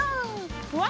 うわ！